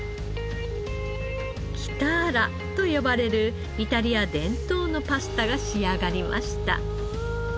「キターラ」と呼ばれるイタリア伝統のパスタが仕上がりました。